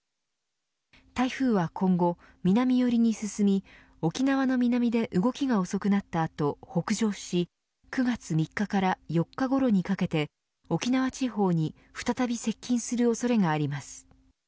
台風は今後、南寄りに進み沖縄の南で動きが遅くなった後北上し９月３日から４日ごろにかけて沖縄地方に再び接近する恐れがあります。